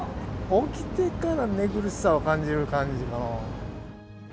起きてから寝苦しさを感じる感じかな。